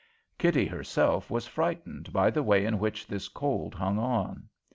Kitty herself was frightened by the way in which this cold hung on.